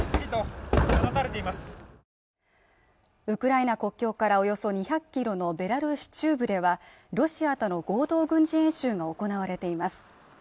ウクライナ国境からおよそ２００ｋｍのベラルーシ中部ではロシアとの合同軍事演習が行われています